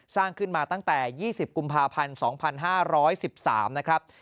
สร้างขึ้นมาตั้งแต่๒๐กุมภาพันธ์๒๕๑๓นะครับ